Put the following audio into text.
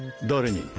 誰に。